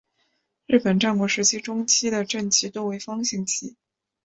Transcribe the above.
日本战国时代中期的阵旗多为方形旗。